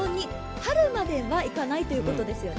春まではいかないということですよね？